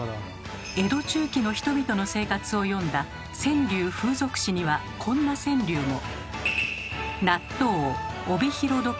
江戸中期の人々の生活を詠んだ「川柳風俗志」にはこんな川柳も。